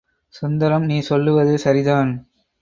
சுந்தரம் நீ சொல்லுவது சரிதான்.